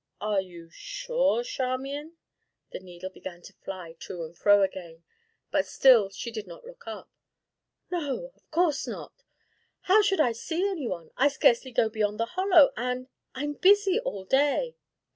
are you sure, Charmian?" The needle began to fly to and fro again, but still she did not look up. "No of course not how should I see any one? I scarcely go beyond the Hollow, and I'm busy all day."